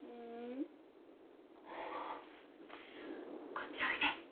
こっちおいで。